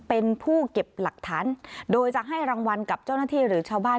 เป็นผู้เก็บหลักฐานโดยจะให้รางวัลกับเจ้าหน้าที่หรือชาวบ้าน